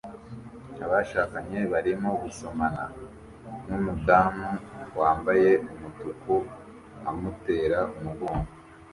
Abashakanye barimo gusomana numudamu wambaye umutuku amutera umugongo